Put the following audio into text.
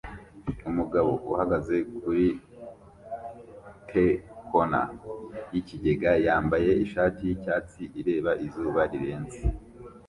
Umugabo uhagaze kuri te corner yikigega yambaye ishati yicyatsi ireba izuba rirenze